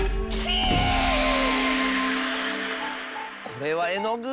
これはえのぐ？